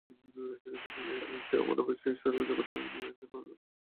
চিকিৎসক নিসে সেই অমানবিক চিকিৎসার জগতে নিয়ে আসেন দরদি মানবিকতার ছোঁয়া।